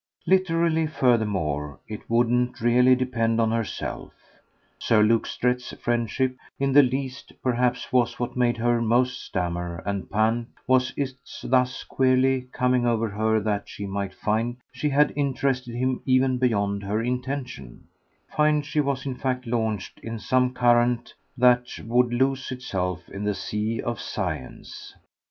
Literally, furthermore, it wouldn't really depend on herself, Sir Luke Strett's friendship, in the least: perhaps what made her most stammer and pant was its thus queerly coming over her that she might find she had interested him even beyond her intention, find she was in fact launched in some current that would lose itself in the sea of science.